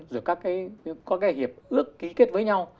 rồi các cái hiệp lức ký kết với nhau